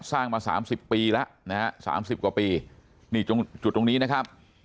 สร้างมา๓๐ปีแล้วนะ๓๐กว่าปีนี่จุดตรงนี้นะครับ